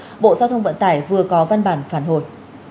sau không giờ bộ giao thông vận tải vừa có văn bản phản hồi